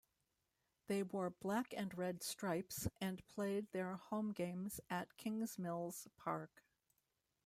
They wore black and red stripes and played their home games at Kingsmills Park.